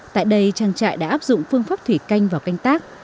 tại đây trang trại đã áp dụng phương pháp thủy canh vào canh tác